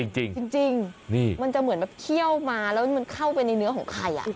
จริงมันจะเหมือนแบบเคี่ยวมาแล้วมันเข้าไปในเนื้อของใคร